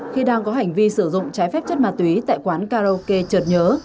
khi đang có hành vi sử dụng trái phép chất ma túy tại quán karaoke trợt nhớ